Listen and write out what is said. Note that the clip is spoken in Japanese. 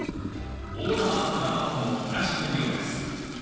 大玉小玉とも同じ分量です。